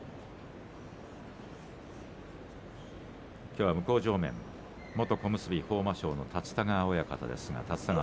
きょうは向正面元小結豊真将の立田川親方です。